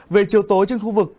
về chiều tối trên khu vực